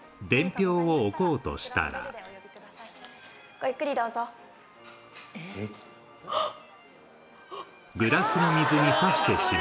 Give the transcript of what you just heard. ごゆっくりどうぞ。えっ？あっ！